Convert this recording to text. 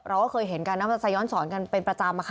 เราก็เคยเห็นกันนะมอเตอร์ไซค์ย้อนสอนกันเป็นประจำอะค่ะ